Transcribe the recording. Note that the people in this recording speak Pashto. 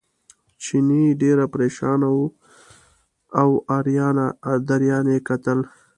چیني ډېر پرېشانه و او اریان دریان یې کتل.